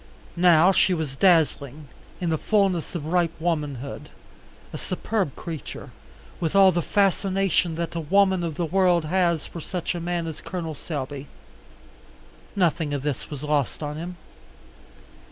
Now she was dazzling, in the fullness of ripe womanhood, a superb creature, with all the fascination that a woman of the world has for such a man as Col. Selby. Nothing of this was lost on him.